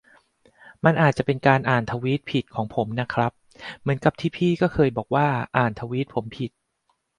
มันอาจจะเป็นการอ่านทวีตผิดของผมน่ะครับ เหมือนกับที่พี่ก็เคยบอกว่าอ่านทวีตผมผิด